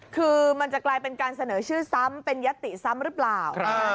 คือมันจะกลายเป็นการเสนอชื่อซ้ำเป็นยติซ้ำหรือเปล่า